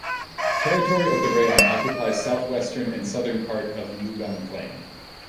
Territory of the rayon occupies south-western and southern part of Mugan plain.